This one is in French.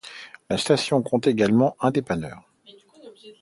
La station compte également un dépanneur.